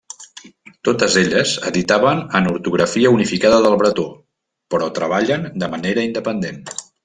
Totes elles editaven en ortografia unificada del bretó, però treballen de manera independent.